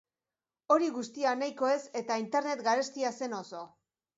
Hori guztia nahikoa ez eta, internet garestia zen oso.